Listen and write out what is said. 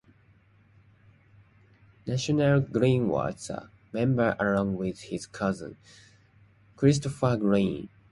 Nathanael Greene was a member along with his cousin, Christopher Greene.